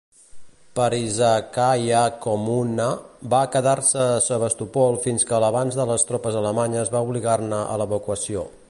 "Parizhskaya Kommuna" va quedar-se a Sebastopol fins que la l'avanç de les tropes alemanyes va obligar-ne a l'evacuació.